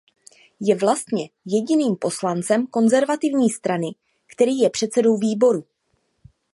Je vlastně jediným poslancem Konzervativní strany, který je předsedou výboru.